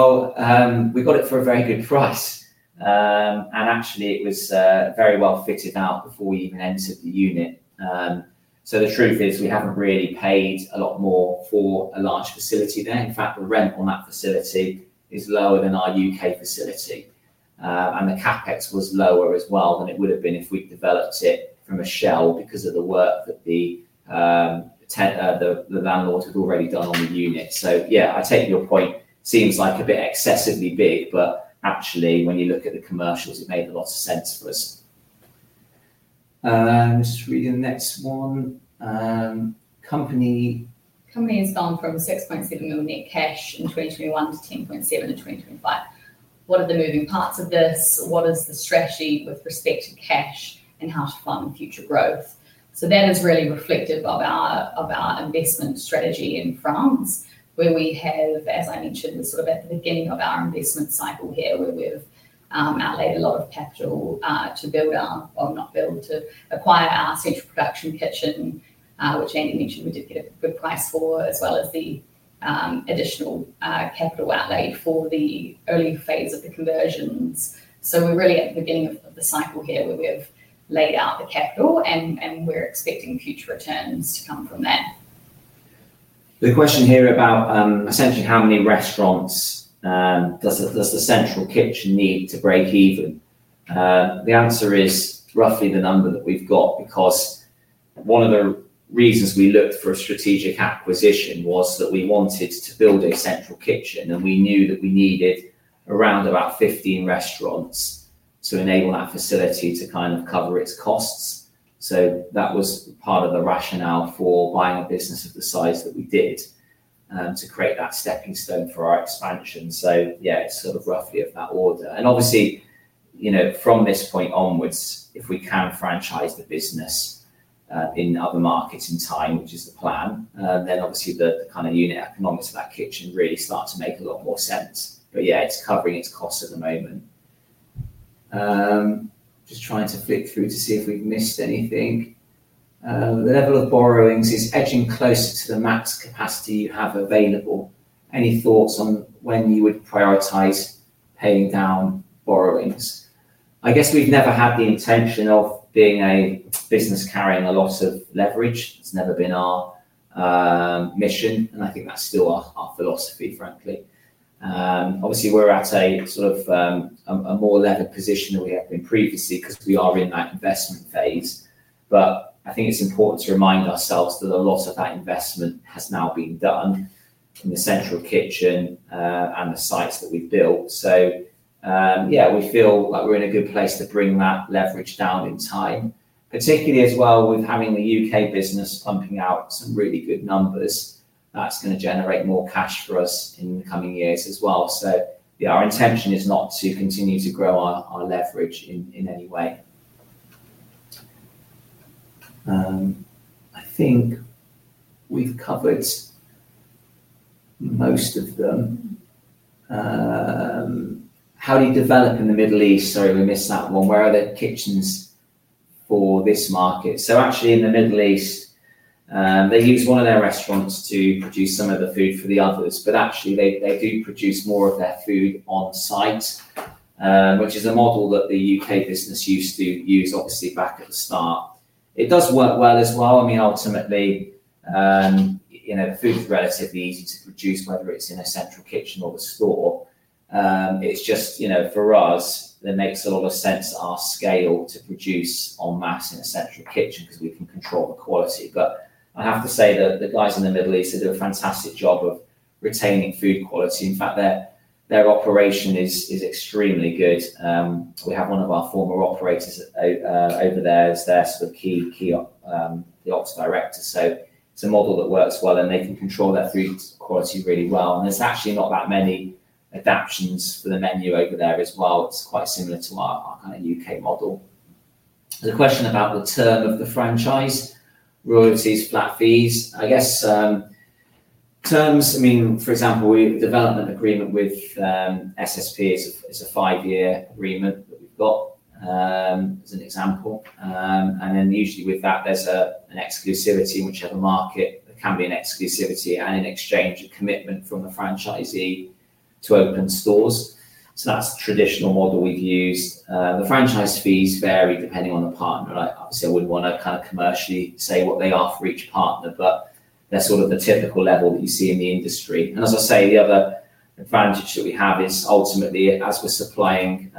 got it for a very good price. Actually, it was very well fitted out before we even entered the unit. The truth is we haven't really paid a lot more for a large facility there. In fact, the rent on that facility is lower than our U.K. facility. The CapEx was lower as well than it would have been if we'd developed it from a shell because of the work that the landlord had already done on the unit. I take your point. It seems like a bit excessively big, but actually, when you look at the commercials, it made a lot of sense for us. Sweden, next one. Company has gone from 6.6 million in cash in 2021 to 10.7 million in 2025. What are the moving parts of this? What is the strategy with respect to cash and how to fund future growth? That is really reflective of our investment strategy in France, where we have, as I mentioned, sort of at the beginning of our investment cycle here, where we've outlaid a lot of capital to acquire our central production kitchen, which Andy Naylor mentioned we did get a good price for, as well as the additional capital outlay for the early phase of the conversions. We're really at the beginning of the cycle here where we have laid out the capital and we're expecting future returns to come from that. The question here about essentially how many restaurants does the central kitchen need to break even. The answer is roughly the number that we've got because one of the reasons we looked for a strategic acquisition was that we wanted to build a central kitchen and we knew that we needed around about 15 restaurants to enable that facility to cover its costs. That was part of the rationale for buying a business of the size that we did to create that stepping stone for our expansion. It's sort of roughly of that order. Obviously, from this point onwards, if we can franchise the business in other markets in time, which is the plan, then the kind of unit economics of that kitchen really start to make a lot more sense. It's covering its cost at the moment. Just trying to flick through to see if we've missed anything. The level of borrowings is edging closer to the max capacity you have available. Any thoughts on when you would prioritize paying down borrowings? I guess we've never had the intention of being a business carrying a lot of leverage. It's never been our mission. I think that's still our philosophy, frankly. Obviously, we're at a more levered position than we have been previously because we are in that investment phase. I think it's important to remind ourselves that a lot of that investment has now been done in the central kitchen and the sites that we've built. Yeah, we feel like we're in a good place to bring that leverage down in time, particularly as well with having the U.K. business pumping out some really good numbers. That's going to generate more cash for us in the coming years as well. Our intention is not to continue to grow our leverage in any way. I think we've covered most of them. How do you develop in the Middle East? Sorry, we missed that one. Where are the kitchens for this market? In the Middle East, they use one of their restaurants to produce some of the food for the others. They do produce more of their food on site, which is a model that the U.K. business used to use, obviously, back at the start. It does work well as well. Ultimately, the food for us is easy to produce, whether it's in a central kitchen or the store. For us, it makes a lot of sense to our scale to produce en masse in a central kitchen because we can control the quality. I have to say that the guys in the Middle East do a fantastic job of retaining food quality. In fact, their operation is extremely good. We have one of our former operators over there. They're sort of key kiosk directors. It's a model that works well, and they can control their food quality really well. There's actually not that many adaptions for the menu over there as well. It's quite similar to our kind of U.K. model. There's a question about the term of the franchise, royalties, flat fees. I guess terms, for example, we developed an agreement with SSP. It's a five-year agreement. It's an example. Usually with that, there's an exclusivity in whichever market. It can be an exclusivity and an exchange of commitment from the franchisee to open stores. That's the traditional model we've used. The franchise fees vary depending on the partner. Obviously, I would want to kind of commercially say what they are for each partner, but that's sort of the typical level that you see in the industry. The other advantage that we have is ultimately, as we're supplying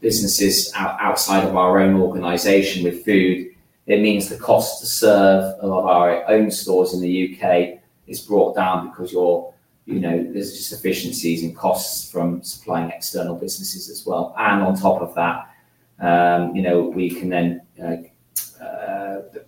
businesses outside of our own organization with food, it means the cost to serve a lot of our own stores in the U.K. is brought down because there's just efficiencies in costs from supplying external businesses as well. On top of that,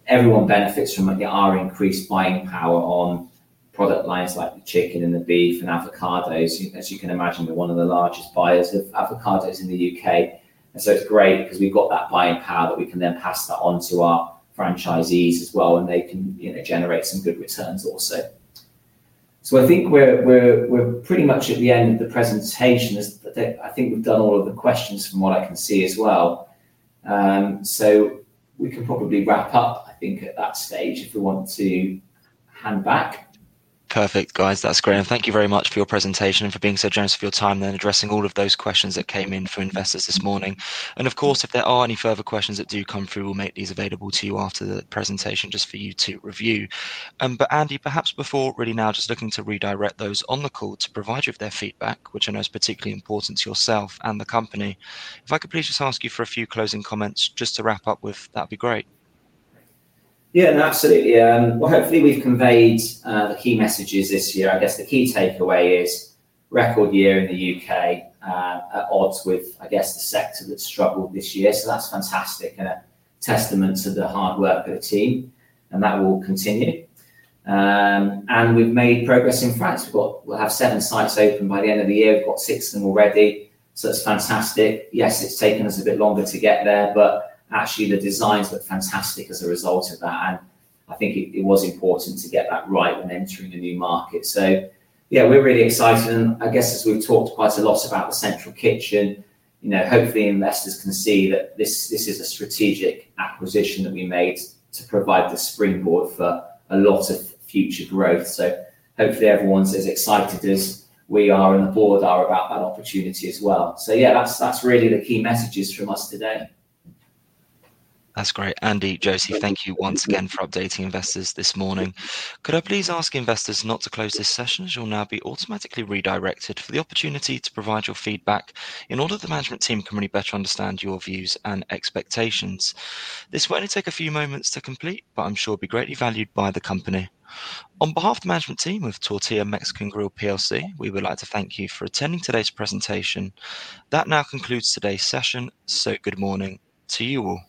everyone benefits from our increased buying power on product lines like the chicken and the beef and avocados. As you can imagine, we're one of the largest buyers of avocados in the U.K. It's great because we've got that buying power that we can then pass on to our franchisees as well, and they can generate some good returns also. I think we're pretty much at the end of the presentation. I think we've done all of the questions from what I can see as well. We can probably wrap up, I think, at that stage if we want to hand back. Perfect, guys. That's great. Thank you very much for your presentation and for being so generous with your time and addressing all of those questions that came in for investors this morning. If there are any further questions that do come through, we'll make these available to you after the presentation just for you to review. Andy, perhaps before really now, just looking to redirect those on the call to provide you with their feedback, which I know is particularly important to yourself and the company. If I could please just ask you for a few closing comments just to wrap up with, that'd be great. Absolutely. Hopefully, we've conveyed key messages this year. I guess the key takeaway is record year in the U.K. at odds with, I guess, the sector that struggled this year. That's fantastic and a testament to the hard work of the team. That will continue. We've made progress in France. We'll have seven sites open by the end of the year. We've got six of them already. It's fantastic. Yes, it's taken us a bit longer to get there, but actually, the designs look fantastic as a result of that. I think it was important to get that right and entering a new market. We're really excited. I guess as we've talked quite a lot about the central kitchen, hopefully, investors can see that this is a strategic position that we made to provide the springboard for a lot of future growth. Hopefully, everyone's as excited as we are and the board are about that opportunity as well. That's really the key messages from us today. That's great. Andy, Josie, thank you once again for updating investors this morning. Could I please ask investors not to close this session as you'll now be automatically redirected for the opportunity to provide your feedback in order for the management team to really better understand your views and expectations. This might only take a few moments to complete, but I'm sure it'll be greatly valued by the company. On behalf of the management team of Tortilla Mexican Grill PLC, we would like to thank you for attending today's presentation. That now concludes today's session. Good morning to you all.